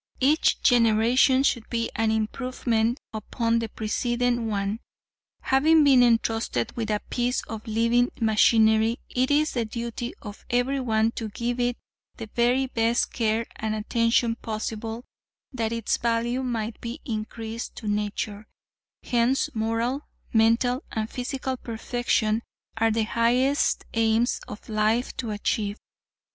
Each generation should be an improvement upon the preceding one. Having been entrusted with a piece of living machinery, it is the duty of everyone to give it the very best care and attention possible, that its value might be increased to nature, hence moral, mental and physical perfection are the highest aims of life to achieve.